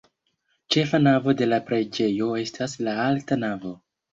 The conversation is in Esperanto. Ĉefa navo de la preĝejo estas la alta navo.